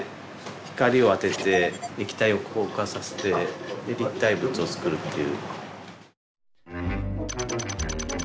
光を当てて液体を硬化させてで立体物を作るっていう。